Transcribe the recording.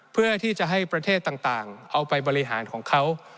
เพื่อที่จะให้ประเทศต่างเอาไปบริหารของเขา